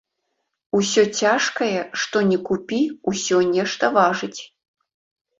Усё цяжкае, што ні купі, усё нешта важыць.